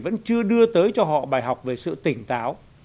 vẫn chưa đưa tới cho họ bài học về sự tỉnh táo